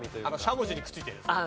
しゃもじにくっついてるやつ。